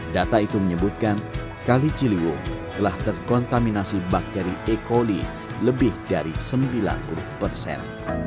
data itu menyebutkan kali ciliwung telah terkontaminasi bakteri e coli lebih dari sembilan puluh persen